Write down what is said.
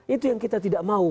itu yang kita tidak mau